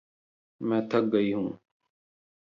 मैं थक गयी हूँ!